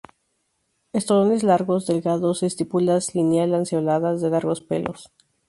Estolones largos, delgados; estípulas lineal-lanceoladas, de largos pelos.